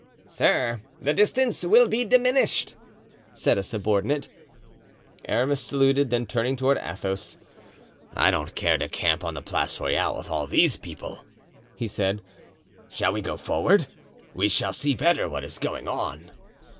"Sir, the distance will be diminished," said a subordinate. Aramis saluted, then turning toward Athos: "I don't care to camp on the Place Royale with all these people," he said. "Shall we go forward? We shall see better what is going on."